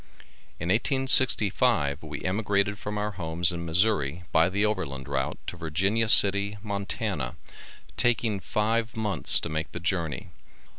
In 1865 we emigrated from our homes in Missourri by the overland route to Virginia City, Montana, taking five months to make the journey.